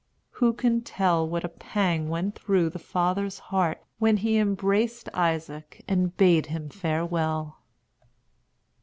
Who can tell what a pang went through the father's heart when he embraced Isaac and bade him farewell?